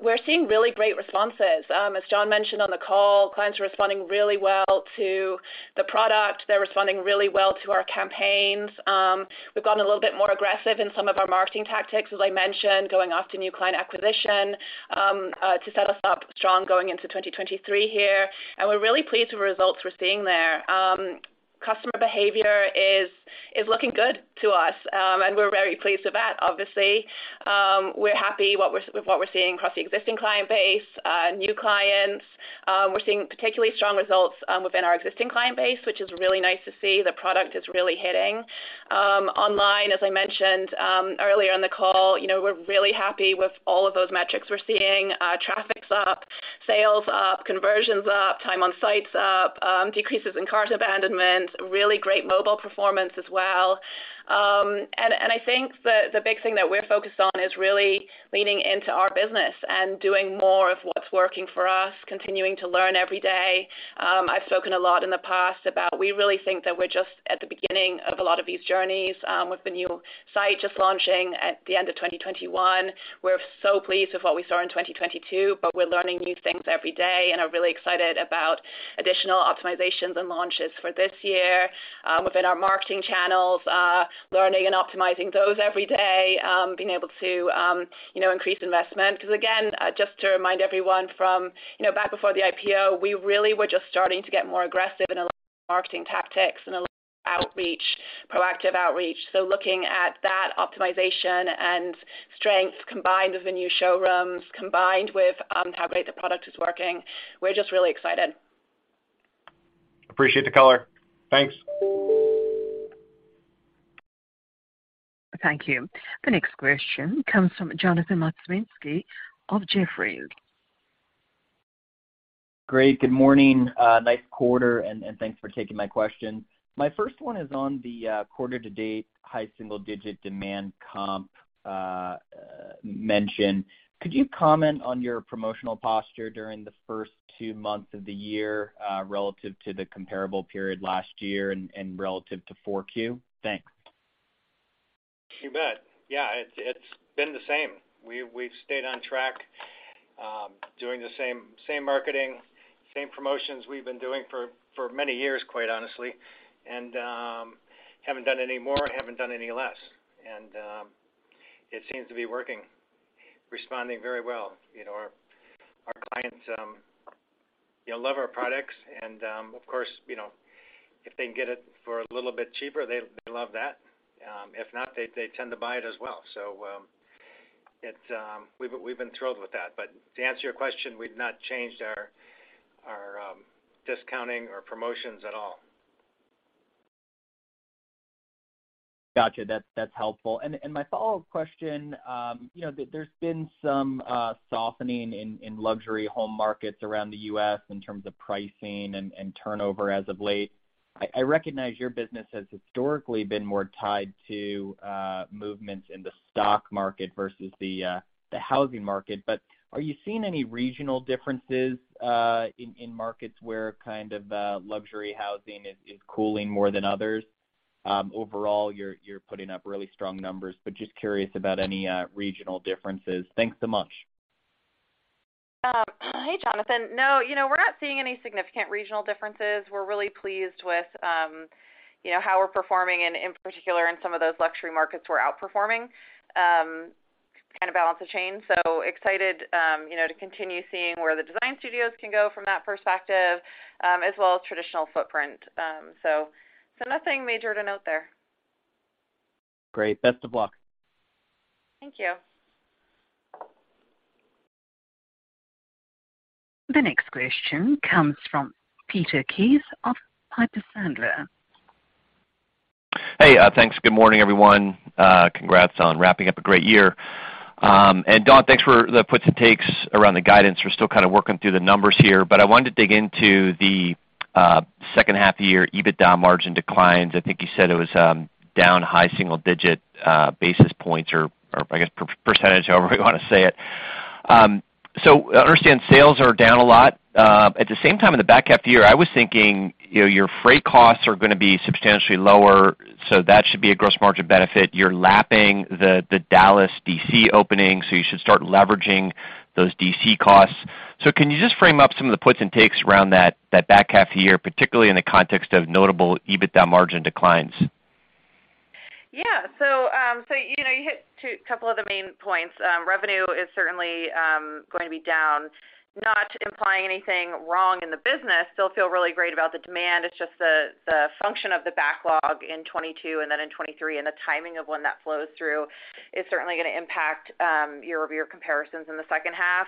S4: We're seeing really great responses. As John mentioned on the call, clients are responding really well to the product. They're responding really well to our campaigns. We've gotten a little bit more aggressive in some of our marketing tactics, as I mentioned, going after new client acquisition, to set us up strong going into 2023 here. We're really pleased with the results we're seeing there. Customer behavior is looking good to us, and we're very pleased with that, obviously. We're happy with what we're seeing across the existing client base, new clients. We're seeing particularly strong results within our existing client base, which is really nice to see. The product is really hitting. Online, as I mentioned, earlier in the call, you know, we're really happy with all of those metrics we're seeing. Traffic's up, sales up, conversions up, time on site's up, decreases in cart abandonment, really great mobile performance as well. I think the big thing that we're focused on is really leaning into our business and doing more of what's working for us, continuing to learn every day. I've spoken a lot in the past about we really think that we're just at the beginning of a lot of these journeys, with the new site just launching at the end of 2021. We're so pleased with what we saw in 2022, but we're learning new things every day and are really excited about additional optimizations and launches for this year, within our marketing channels, learning and optimizing those every day, being able to, you know, increase investment. Because again, just to remind everyone from, you know, back before the IPO, we really were just starting to get more aggressive in a lot of marketing tactics and a lot of outreach, proactive outreach. Looking at that optimization and strength combined with the new showrooms, combined with, how great the product is working, we're just really excited.
S7: Appreciate the color. Thanks.
S1: Thank you. The next question comes from Jonathan Matuszewski of Jefferies.
S8: Great, good morning. nice quarter, and thanks for taking my question. My first one is on the quarter-to-date high single-digit demand comp mention. Could you comment on your promotional posture during the first two months of the year, relative to the comparable period last year and relative to 4Q? Thanks.
S3: You bet. Yeah. It's been the same. We've stayed on track, doing the same marketing, same promotions we've been doing for many years, quite honestly. Haven't done any more, haven't done any less. It seems to be working, responding very well. You know, our clients, you know, love our products and, of course, you know, if they can get it for a little bit cheaper, they love that. If not, they tend to buy it as well. It's... We've been thrilled with that. To answer your question, we've not changed our discounting or promotions at all.
S8: Gotcha. That's helpful. My follow-up question, you know, there's been some softening in luxury home markets around the U.S. in terms of pricing and turnover as of late. I recognize your business has historically been more tied to movements in the stock market versus the housing market. Are you seeing any regional differences in markets where kind of luxury housing is cooling more than others? Overall, you're putting up really strong numbers, but just curious about any regional differences. Thanks so much.
S5: Hey, Jonathan. No, you know, we're not seeing any significant regional differences. We're really pleased with, you know, how we're performing, and in particular, in some of those luxury markets we're outperforming, kind of balance of chain. Excited, you know, to continue seeing where the design studios can go from that perspective, as well as traditional footprint. Nothing major to note there.
S8: Great. Best of luck.
S5: Thank you.
S1: The next question comes from Peter Keith of Piper Sandler.
S9: Hey, thanks. Good morning, everyone. Congrats on wrapping up a great year. Dawn, thanks for the puts and takes around the guidance. We're still kinda working through the numbers here. I wanted to dig into the H2 of the year EBITDA margin declines. I think you said it was down high single digit basis points or I guess per-percentage, however you wanna say it. I understand sales are down a lot. At the same time, in the back half of the year, I was thinking, you know, your freight costs are gonna be substantially lower, so that should be a gross margin benefit. You're lapping the Dallas DC opening, so you should start leveraging those DC costs. Can you just frame up some of the puts and takes around that back half of the year, particularly in the context of notable EBITDA margin declines?
S5: Yeah. You know, you hit two couple of the main points. Revenue is certainly going to be down. Not implying anything wrong in the business, still feel really great about the demand. It's just the function of the backlog in 2022 and then in 2023 and the timing of when that flows through is certainly gonna impact year-over-year comparisons in the H2.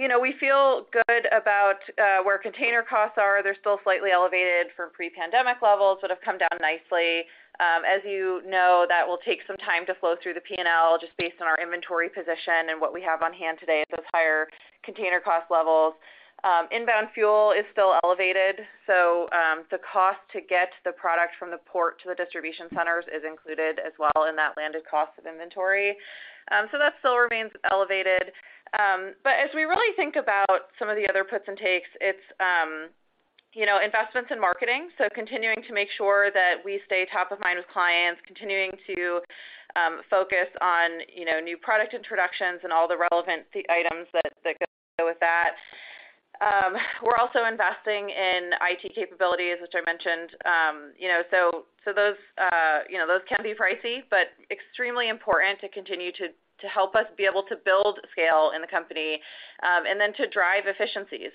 S5: You know, we feel good about where container costs are. They're still slightly elevated from pre-pandemic levels but have come down nicely. As you know, that will take some time to flow through the P&L just based on our inventory position and what we have on hand today at those higher container cost levels. Inbound fuel is still elevated, the cost to get the product from the port to the distribution centers is included as well in that landed cost of inventory. That still remains elevated. As we really think about some of the other puts and takes, it's investments in marketing, continuing to make sure that we stay top of mind with clients, continuing to focus on new product introductions and all the relevant items that go with that. We're also investing in IT capabilities, which I mentioned. So those can be pricey, but extremely important to continue to help us be able to build scale in the company and to drive efficiencies.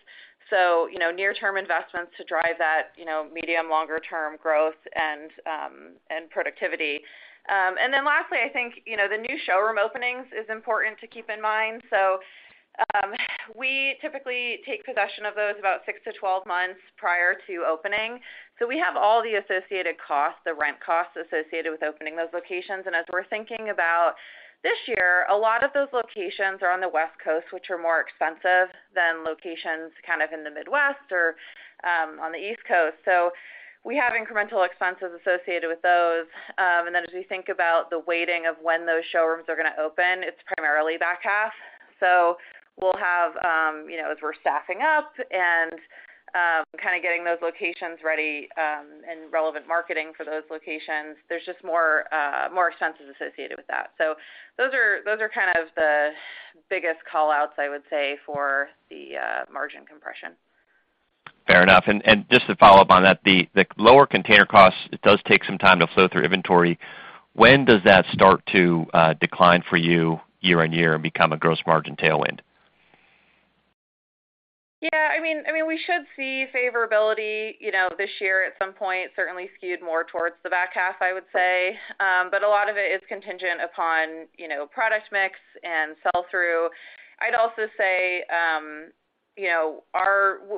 S5: You know, near-term investments to drive that, you know, medium, longer term growth and productivity. Lastly, I think, you know, the new showroom openings is important to keep in mind. We typically take possession of those about 6 to 12 months prior to opening. We have all the associated costs, the rent costs associated with opening those locations. As we're thinking about this year, a lot of those locations are on the West Coast, which are more expensive than locations kind of in the Midwest or on the East Coast. We have incremental expenses associated with those. As we think about the weighting of when those showrooms are gonna open, it's primarily back half. We'll have, you know, as we're staffing up and, kinda getting those locations ready, and relevant marketing for those locations, there's just more expenses associated with that. Those are kind of the biggest call-outs, I would say, for the margin compression.
S9: Fair enough. Just to follow up on that, the lower container costs, it does take some time to flow through inventory. When does that start to decline for you year-on-year and become a gross margin tailwind?
S5: Yeah, I mean, we should see favorability, you know, this year at some point, certainly skewed more towards the back half, I would say. A lot of it is contingent upon, you know, product mix and sell-through. I'd also say, you know,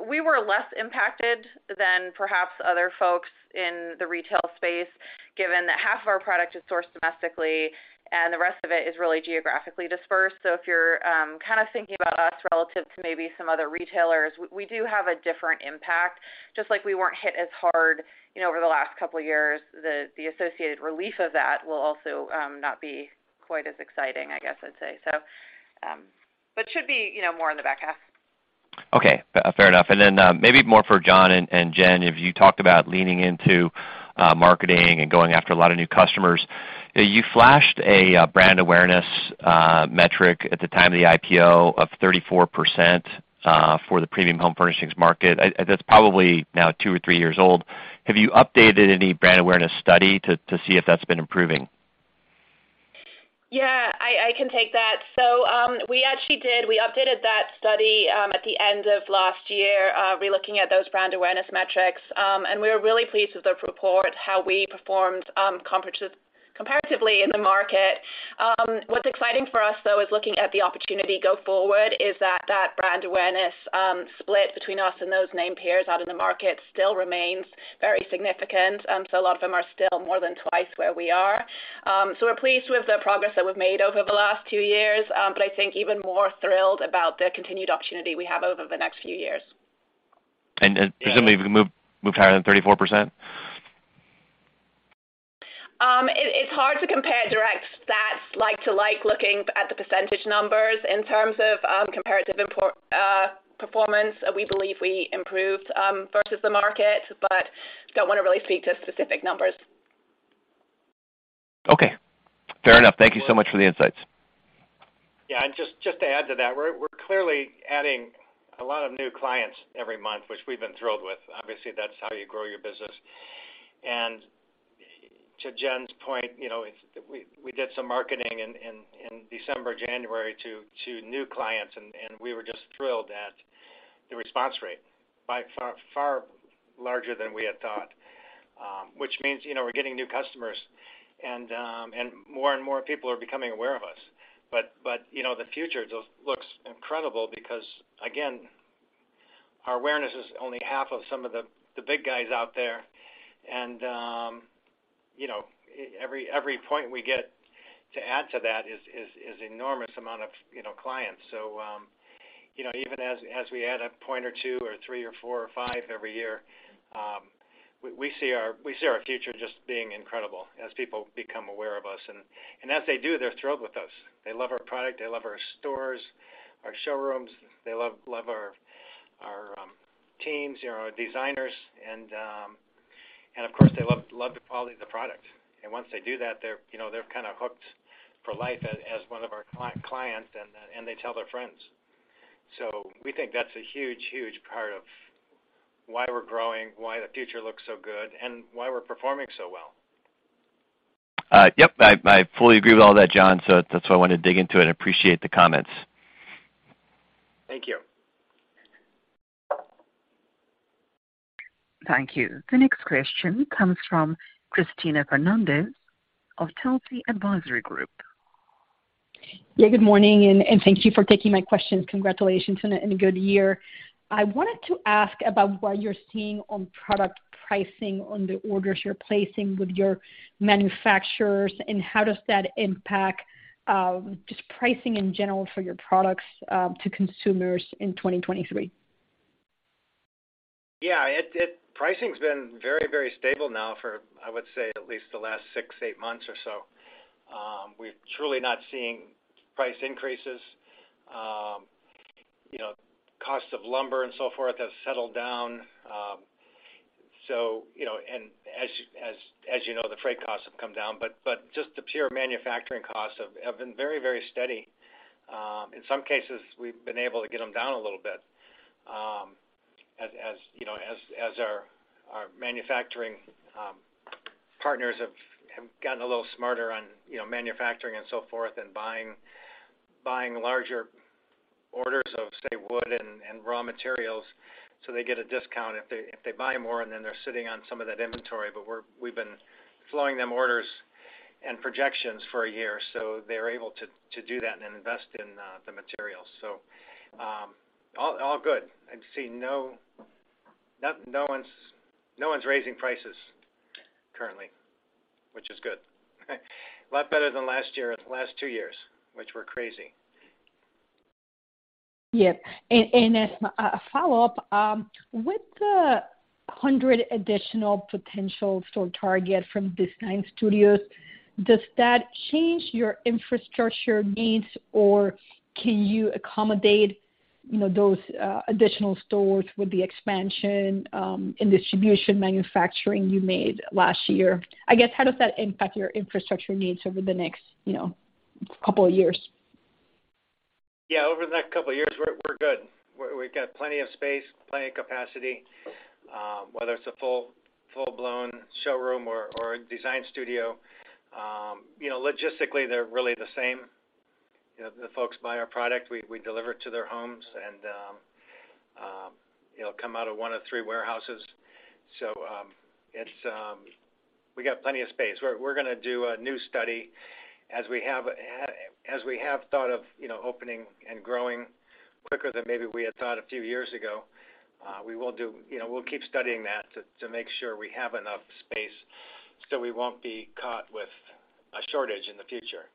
S5: we were less impacted than perhaps other folks in the retail space, given that half of our product is sourced domestically and the rest of it is really geographically dispersed. If you're, kind of thinking about us relative to maybe some other retailers, we do have a different impact. Just like we weren't hit as hard, you know, over the last couple of years, the associated relief of that will also, not be quite as exciting, I guess I'd say. But should be, you know, more in the back half.
S9: Okay. Fair enough. Then, maybe more for John and Jen. If you talked about leaning into marketing and going after a lot of new customers, you flashed a brand awareness metric at the time of the IPO of 34% for the premium home furnishings market. That's probably now two or three years old. Have you updated any brand awareness study to see if that's been improving?
S4: Yeah. I can take that. We actually did. We updated that study at the end of last year, re-looking at those brand awareness metrics. We were really pleased with the report, how we performed comparatively in the market. What's exciting for us, though, is looking at the opportunity go forward is that that brand awareness split between us and those name peers out in the market still remains very significant. A lot of them are still more than twice where we are. We're pleased with the progress that we've made over the last two years, but I think even more thrilled about the continued opportunity we have over the next few years.
S9: Presumably we can move higher than 34%?
S4: It's hard to compare direct stats like to like looking at the percentage numbers in terms of comparative performance. We believe we improved, versus the market, but don't wanna really speak to specific numbers.
S9: Okay. Fair enough. Thank you so much for the insights.
S3: Yeah. Just to add to that, we're clearly adding a lot of new clients every month, which we've been thrilled with. Obviously, that's how you grow your business. To Jen's point, you know, we did some marketing in December, January to new clients, and we were just thrilled at the response rate by far larger than we had thought. Which means, you know, we're getting new customers and more and more people are becoming aware of us. You know, the future looks incredible because, again, our awareness is only half of some of the big guys out there. Every point we get to add to that is enormous amount of, you know, clients. You know, even as we add a point or two or three or four or five every year, we see our future just being incredible as people become aware of us. As they do, they're thrilled with us. They love our product. They love our stores, our showrooms. They love our teams, you know, our designers. Of course, they love the quality of the product. Once they do that, they're, you know, kind of hooked for life as one of our clients and they tell their friends. We think that's a huge part of why we're growing, why the future looks so good, and why we're performing so well.
S9: Yep. I fully agree with all that, John, so that's why I wanted to dig into it and appreciate the comments.
S3: Thank you.
S1: Thank you. The next question comes from Cristina Fernandez of Telsey Advisory Group.
S10: Yeah, good morning, thank you for taking my questions. Congratulations on a good year. I wanted to ask about what you're seeing on product pricing on the orders you're placing with your manufacturers, and how does that impact just pricing in general for your products to consumers in 2023?
S3: Yeah. Pricing's been very, very stable now for, I would say at least the last six, eight months or so. We're truly not seeing price increases. You know, cost of lumber and so forth have settled down. You know, and as you know, the freight costs have come down, just the pure manufacturing costs have been very, very steady. In some cases we've been able to get them down a little bit, as you know, as our manufacturing partners have gotten a little smarter on, you know, manufacturing and so forth and buying larger orders of, say, wood and raw materials, so they get a discount if they buy more, and then they're sitting on some of that inventory. We've been flowing them orders and projections for one year, so they're able to do that and invest in the materials. All good. I've seen no one's raising prices currently, which is good. A lot better than last year or the last two years, which were crazy.
S10: Yeah. As a follow-up, with the 100 additional potential store target from design studios, does that change your infrastructure needs, or can you accommodate, you know, those additional stores with the expansion and distribution manufacturing you made last year? I guess, how does that impact your infrastructure needs over the next, you know, couple of years?
S3: Yeah. Over the next couple of years we're good. We've got plenty of space, plenty of capacity, whether it's a full-blown showroom or a design studio. You know, logistically they're really the same. You know, the folks buy our product, we deliver it to their homes, and it'll come out of one of three warehouses. It's... We got plenty of space. We're gonna do a new study as we have thought of, you know, opening and growing quicker than maybe we had thought a few years ago. We will do... You know, we'll keep studying that to make sure we have enough space so we won't be caught with a shortage in the future.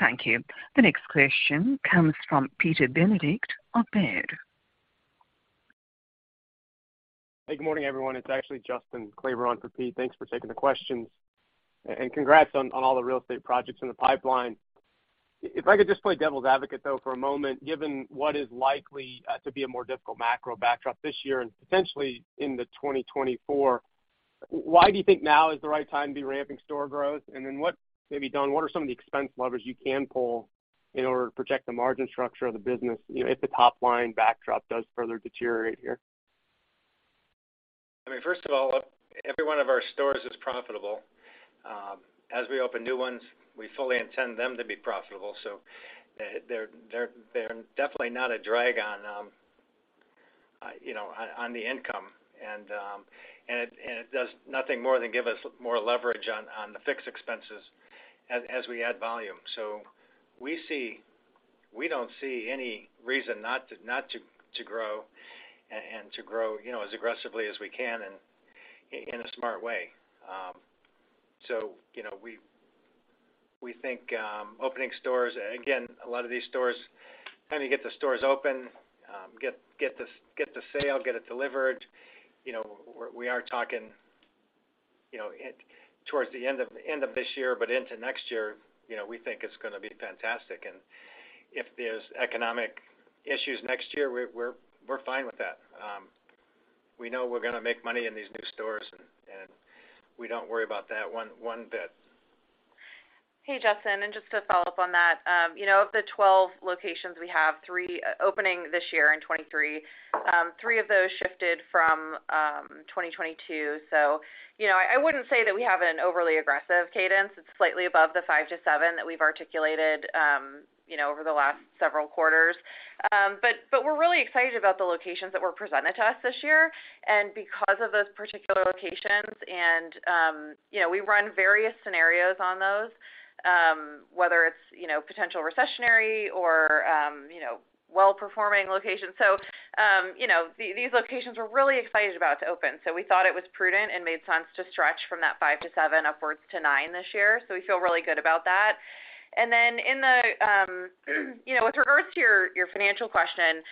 S10: Thank you.
S1: Thank you. The next question comes from Peter Benedict of Baird.
S11: Hey, good morning, everyone. It's actually Justin Kleber for Pete. Thanks for taking the questions. Congrats on all the real estate projects in the pipeline. If I could just play devil's advocate, though, for a moment, given what is likely to be a more difficult macro backdrop this year and potentially in 2024. Why do you think now is the right time to be ramping store growth? Maybe Dawn, what are some of the expense levers you can pull in order to protect the margin structure of the business, you know, if the top-line backdrop does further deteriorate here?
S3: I mean, first of all, every one of our stores is profitable. As we open new ones, we fully intend them to be profitable. They're definitely not a drag on, you know, on the income. It does nothing more than give us more leverage on the fixed expenses as we add volume. We don't see any reason not to grow and to grow, you know, as aggressively as we can and in a smart way. You know, we think, opening stores... A lot of these stores, trying to get the stores open, get the sale, get it delivered, you know, we are talking, you know, it towards the end of this year, but into next year, you know, we think it's gonna be fantastic. If there's economic issues next year, we're fine with that. We know we're gonna make money in these new stores, and we don't worry about that one bit.
S5: Hey, Justin. Just to follow up on that, you know, of the 12 locations, we have three opening this year in 2023. Three of those shifted from 2022. I wouldn't say that we have an overly aggressive cadence. It's slightly above the five-seven that we've articulated, you know, over the last several quarters. But we're really excited about the locations that were presented to us this year. Because of those particular locations, and, you know, we run various scenarios on those, whether it's, you know, potential recessionary or, you know, well-performing locations. You know, these locations we're really excited about to open. We thought it was prudent and made sense to stretch from that five-seven upwards to nine this year. We feel really good about that. Then in the, you know, with regards to your financial question,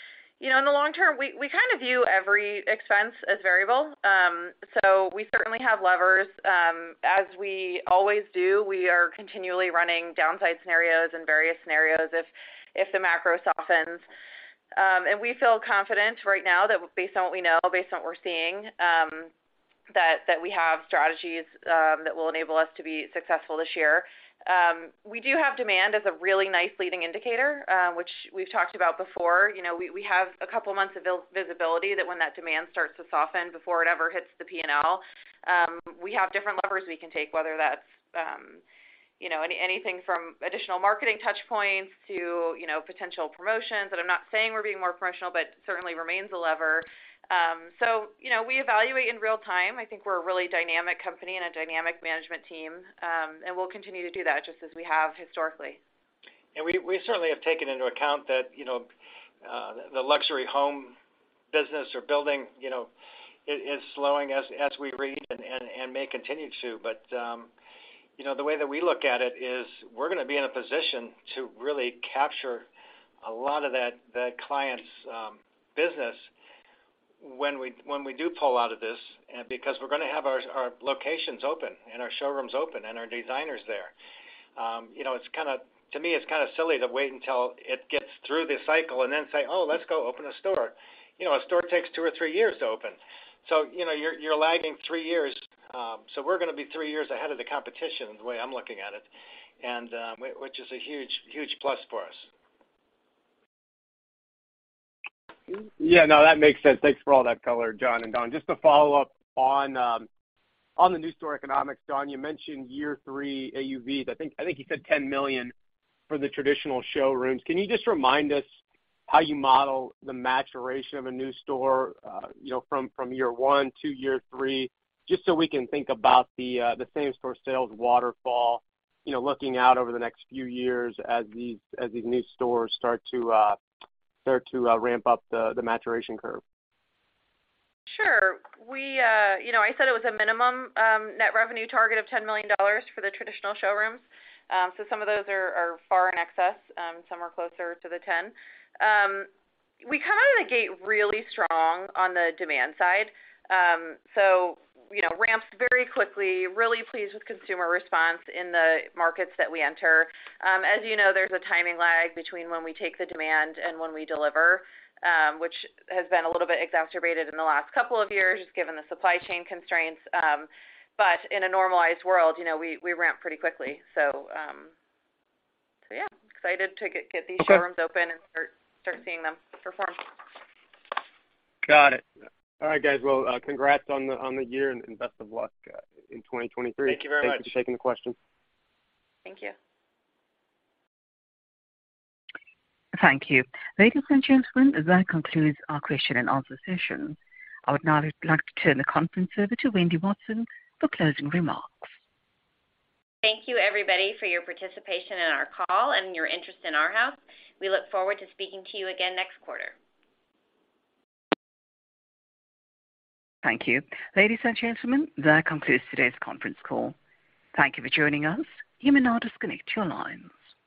S5: you know, in the long term, we kind of view every expense as variable. We certainly have levers, as we always do. We are continually running downside scenarios and various scenarios if the macro softens. We feel confident right now that based on what we know, based on what we're seeing, that we have strategies, that will enable us to be successful this year. We do have demand as a really nice leading indicator, which we've talked about before. You know, we have a couple of months of visibility that when that demand starts to soften before it ever hits the P&L. We have different levers we can take, whether that's, you know, anything from additional marketing touch points to, you know, potential promotions that I'm not saying we're being more promotional, but certainly remains a lever. You know, we evaluate in real time. I think we're a really dynamic company and a dynamic management team, and we'll continue to do that just as we have historically.
S3: We certainly have taken into account that, you know, the luxury home business or building, you know, is slowing as we read and may continue to. You know, the way that we look at it is we're gonna be in a position to really capture a lot of that, the client's business when we do pull out of this, because we're gonna have our locations open and our showrooms open and our designers there. You know, it's kinda to me, it's kinda silly to wait until it gets through the cycle and then say, "Oh, let's go open a store." You know, a store takes two or three years to open. You know, you're lagging three years. We're gonna be three years ahead of the competition, the way I'm looking at it, and which is a huge, huge plus for us.
S11: Yeah. No, that makes sense. Thanks for all that color, John and Dawn. Just to follow up on the new store economics, Dawn, you mentioned year three AUV. I think you said $10 million for the traditional showrooms. Can you just remind us how you model the maturation of a new store, you know, from year one to year three, just so we can think about the same-store sales waterfall, you know, looking out over the next few years as these new stores start to ramp up the maturation curve?
S5: Sure. We, you know, I said it was a minimum net revenue target of $10 million for the traditional showrooms. Some of those are far in excess, some are closer to the 10. We come out of the gate really strong on the demand side. You know, ramps very quickly, really pleased with consumer response in the markets that we enter. As you know, there's a timing lag between when we take the demand and when we deliver, which has been a little bit exacerbated in the last couple of years given the supply chain constraints. But in a normalized world, you know, we ramp pretty quickly. Yeah, excited to get these showrooms open and start seeing them perform.
S11: Got it. All right, guys. Well, congrats on the year and best of luck in 2023.
S3: Thank you very much.
S11: Thank you for taking the question.
S5: Thank you.
S1: Thank you. Ladies and gentlemen, that concludes our question and answer session. I would now like to turn the conference over to Wendy Watson for closing remarks.
S2: Thank you, everybody, for your participation in our call and your interest in Arhaus. We look forward to speaking to you again next quarter.
S1: Thank you. Ladies and gentlemen, that concludes today's conference call. Thank you for joining us. You may now disconnect your lines.